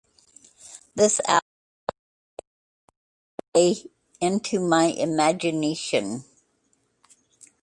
This album is titled "Getaway (Into My Imagination)".